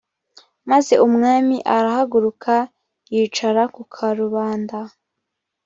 maze umwami arahaguruka yicara ku karubanda